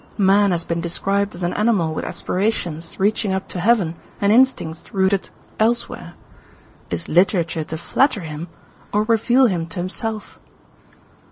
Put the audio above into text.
Man has been described as a animal with aspirations reaching up to Heaven and instincts rooted—elsewhere. Is literature to flatter him, or reveal him to himself?